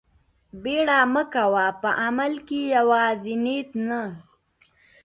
بيړه مه کوه په عمل کښې يوازې نيت نه.